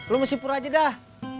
lo masih pur aja dah